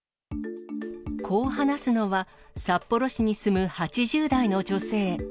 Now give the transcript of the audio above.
こう話すのは、札幌市に住む８０代の女性。